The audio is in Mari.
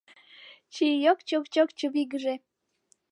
Чийок-чок-чок чывигыже